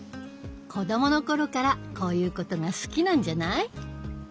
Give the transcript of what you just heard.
子どもの頃からこういうことが好きなんじゃない？